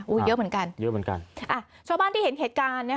อู้ยเยอะเหมือนกันนะครับช่วงบ้านที่เห็นเหตุการณ์